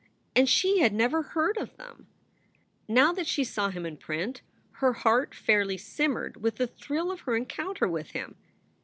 And she had never heard of them ! Now that she saw him in print, her heart fairly simmered with the thrill of her encounter with him.